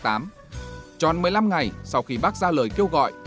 tròn một mươi năm ngày sau khi bác ra lời kêu gọi